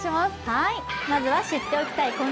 まずは知っておきたい